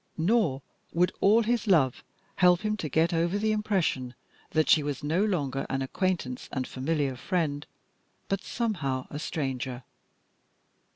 Nor would all his love help him to get over the impression that she was no longer an acquaintance and familiar friend, but somehow a stranger.